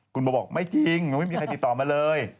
คุณโบบอกไม่จริงยังไม่มีใครติดต่อมาเลย